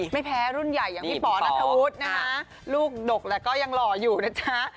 ไม่แพ้รุ่นใหญ่อย่างพี่ป๋อนัทธวุฒินะคะลูกดกแหละก็ยังหล่ออยู่นะจ๊ะ